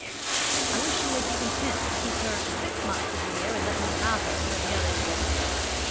'I wish you would be content to keep her six months of the year, and let me have her for the other six.'